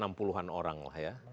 orang lah ya mengawasi seluruh